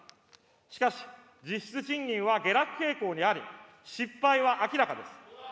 しかし、実質賃金は下落傾向にあり、失敗は明らかです。